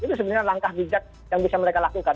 itu sebenarnya langkah bijak yang bisa mereka lakukan